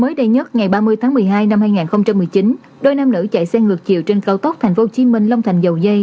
mới đây nhất ngày ba mươi tháng một mươi hai năm hai nghìn một mươi chín đôi nam nữ chạy xe ngược chiều trên cao tốc tp hcm long thành dầu dây